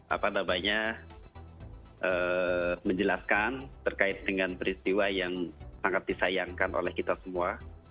apa namanya menjelaskan terkait dengan peristiwa yang sangat disayangkan oleh kita semua